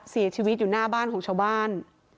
เสียชีวิตอยู่หน้าบ้านของชาวบ้าน